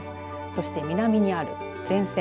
そして南にある前線。